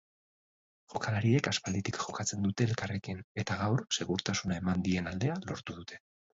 Jokalariek aspalditik jokatzen dute elkarrekin eta gaur segurtasuna eman dien aldea lortu dute.